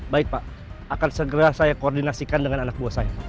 baik pak akan segera saya koordinasikan dengan anak buah saya